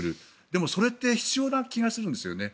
でも、それって必要な気がするんですよね。